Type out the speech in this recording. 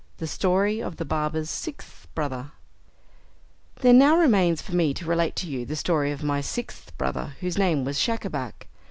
The Story of the Barber's Sixth Brother There now remains for me to relate to you the story of my sixth brother, whose name was Schacabac.